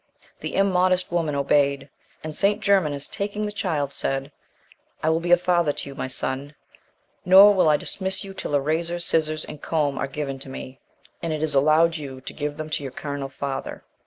The immodest* woman obeyed; and St. Germanus, taking the child, said, "I will be a father to you, my son; nor will I dismiss you till a razor, scissors, and comb, are given to me, and it is allowed you to give them to your carnal father."